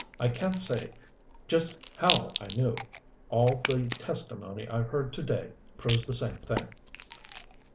I can't say just how I knew. All the testimony I've heard to day proves the same thing."